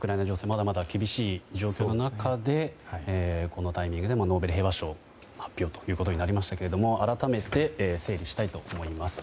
まだまだ厳しい状況の中でこのタイミングでのノーベル平和賞発表となりましたが改めて整理したいと思います。